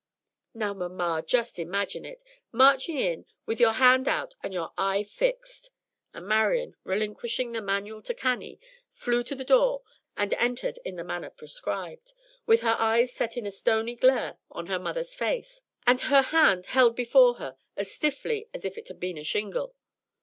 Now, mamma, just imagine it, marching in with your hand out and your eye fixed!" And Marian, relinquishing the Manual to Cannie, flew to the door, and entered in the manner prescribed, with her eyes set in a stony glare on her mother's face, and her hand held before her as stiffly as if it had been a shingle.